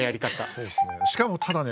そうですね。